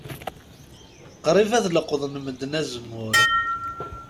Qrib ad leqḍen medden azemmur.